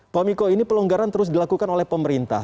pak miko ini pelonggaran terus dilakukan oleh pemerintah